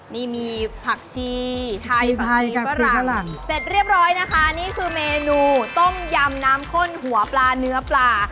นี่มีผักชีไทยผักชีฝรั่งเสร็จเรียบร้อยนะคะนี่คือเมนูต้มยำน้ำข้นหัวปลาเนื้อปลา